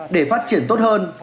để phát triển tốt hơn